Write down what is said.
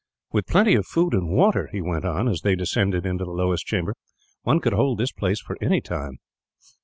"With plenty of food and water," he went on, as they descended into the lowest chamber, "one could hold this place for any time."